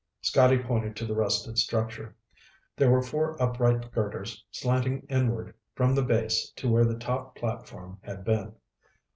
Scotty pointed to the rusted structure. There were four upright girders slanting inward from the base to where the top platform had been.